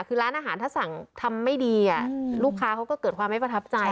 คือร้านอาหารถ้าสั่งทำไม่ดีลูกค้าเขาก็เกิดความไม่ประทับใจ